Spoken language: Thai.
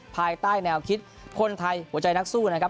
ภายใต้แนวคิดคนไทยหัวใจนักสู้นะครับ